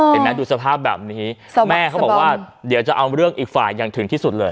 ดูสภาพแบบนี้แม่เขาบอกว่าเดี๋ยวจะเอาเรื่องอีกฝ่ายอย่างถึงที่สุดเลย